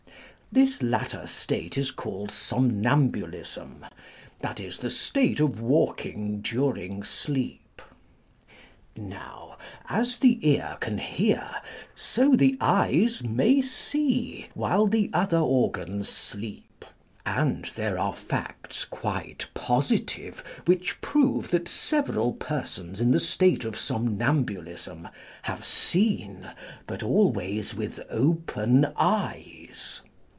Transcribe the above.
This latter state is called somnambulism, that is, the state of walking during sleep. Now, as the ear can hear, so the eyes may see, while the other organs sleep ; and there are facts quite positive which prove that several persons in the state of somnambulism have seen, but always with open eyes.